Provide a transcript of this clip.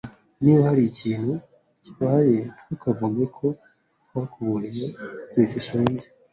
Niba hari ikintu kibaye, ntukavuge ko ntakuburiye. byukusenge